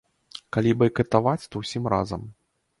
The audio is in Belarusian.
Калі байкатаваць, то ўсім разам.